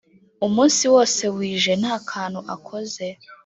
umunsi wose wije ntakantu akoze